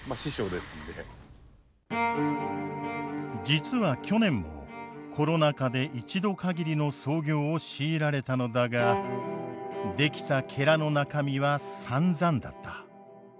実は去年もコロナ禍で一度かぎりの操業を強いられたのだが出来たの中身はさんざんだった。